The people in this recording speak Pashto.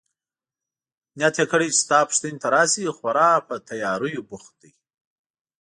نیت يې کړی چي ستا پوښتنې ته راشي، خورا په تیاریو بوخت دی.